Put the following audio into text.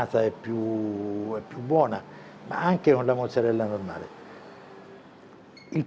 tapi juga dengan mozarella normal